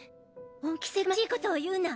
恩着せがましいことを言うな！